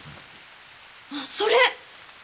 あっそれ。